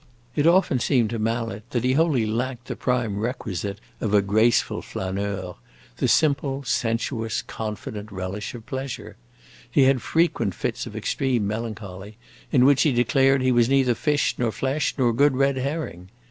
It often seemed to Mallet that he wholly lacked the prime requisite of a graceful flaneur the simple, sensuous, confident relish of pleasure. He had frequent fits of extreme melancholy, in which he declared that he was neither fish nor flesh nor good red herring.